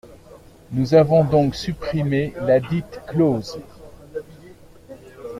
Nous avons donc supprimé ladite clause.